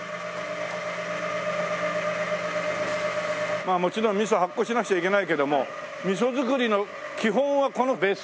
まあもちろんみそ発酵しなくちゃいけないけどもみそ造りの基本はこのベース？